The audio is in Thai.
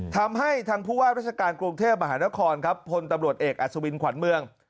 ทั้งเลยทั้งผู้ว่างราชการกรุงเทพบริษัทมหานครพนตำรวจเอกอสมินขวัญเมือง